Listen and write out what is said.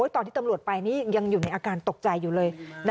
ตอนที่ตำรวจไปนี่ยังอยู่ในอาการตกใจอยู่เลย